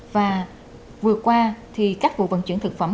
và vừa qua thì các vụ vận chuyển thực phẩm